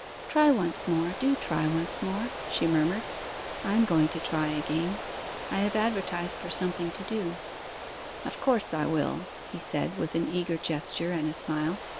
Try once more; do try once more,' she murmured. 'I am going to try again. I have advertised for something to do.' 'Of course I will,' he said, with an eager gesture and smile.